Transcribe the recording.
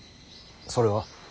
それは？